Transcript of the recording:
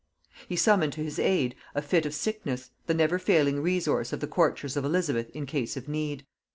He summoned to his aid a fit of sickness, the never failing resource of the courtiers of Elizabeth in case of need.